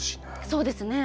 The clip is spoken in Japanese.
そうですね。